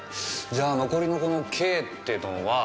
じゃあ残りのこのＫってのは。